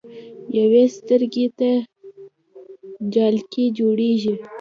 يوې سترګې ته جالکي جوړيږي